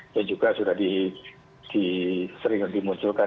dan juga sudah diseringin dimunculkan